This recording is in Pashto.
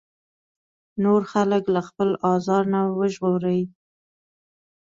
نور خلک له خپل ازار نه وژغوري.